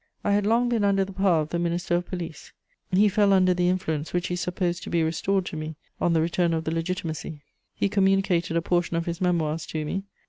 I had long been under the power of the Minister of Police; he fell under the influence which he supposed to be restored to me on the return of the Legitimacy: he communicated a portion of his Memoirs to me.